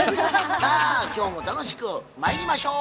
さあ今日も楽しくまいりましょう！